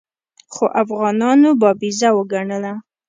خو افغانانو بابیزه وګڼله.